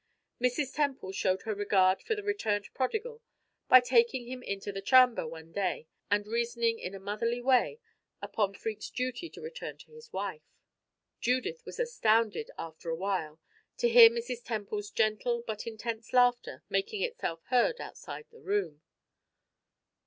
Mrs. Temple showed her regard for the returned prodigal by taking him into the "charmber" one day and reasoning in a motherly way upon Freke's duty to return to his wife. Judith was astounded after a while to hear Mrs. Temple's gentle but intense laughter making itself heard outside the room.